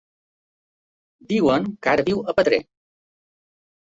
Diuen que ara viu a Petrer.